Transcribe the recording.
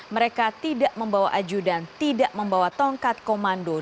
mereka tidak membawa aju dan tidak membawa tongkat komando